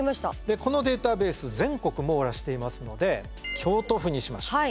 でこのデータベース全国網羅していますので京都府にしましょう。